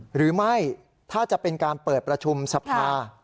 หรือไม่ถ้าจะเป็นการเปิดประชุมสภา